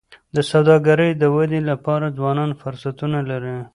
د سوداګری د ودي لپاره ځوانان فرصتونه لري.